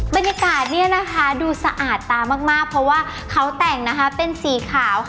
บรรยากาศดูสะอาดตามากเพราะว่าเขาแต่งเป็นสีขาว